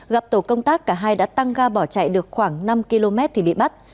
gặp tổ công tác cả hai đã tăng ga bỏ chạy được khoảng năm km thì bị bắt